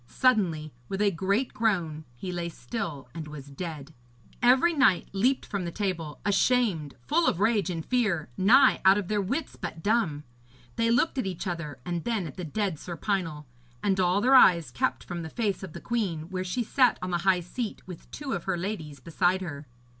Suddenly, with a great groan, he lay still and was dead. Every knight leaped from the table, ashamed, full of rage and fear, nigh out of their wits, but dumb. They looked at each other and then at the dead Sir Pinel, and all their eyes kept from the face of the queen, where she sat on the high seat, with two of her ladies beside her.